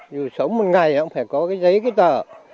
dù sống một ngày thì cũng phải có cái giấy cái tờ